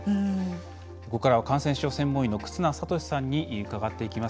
ここからは感染症専門医の忽那賢志さんに伺っていきます。